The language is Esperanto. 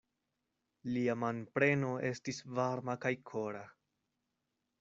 Lia manpremo estis varma kaj kora.